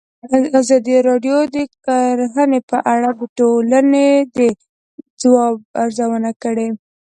ازادي راډیو د کرهنه په اړه د ټولنې د ځواب ارزونه کړې.